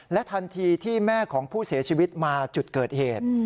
ทันทีที่แม่ของผู้เสียชีวิตมาจุดเกิดเหตุ